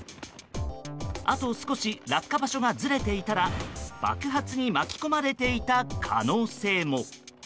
あと少し落下場所がずれていたら爆発に巻き込まれていた可能性も。